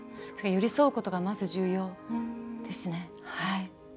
寄り添うことがまず重要ですね。